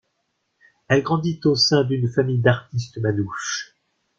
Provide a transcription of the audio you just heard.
Elle grandit au sein d'une famille d'artistes manouches.